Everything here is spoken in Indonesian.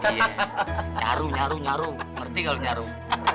iya ngaruh ngaruh ngaruh ngerti gak lo ngaruh